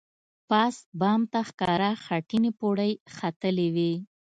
پاس بام ته ښکاره خټینې پوړۍ ختلې وې.